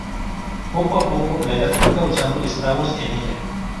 Poco a poco la edad fue causando estragos en ella.